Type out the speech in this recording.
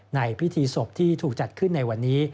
ในพิธีศพที่ถูกจัดขึ้นในวันนี้